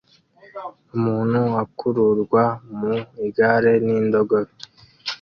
Umuntu akururwa mu igare n'indogobe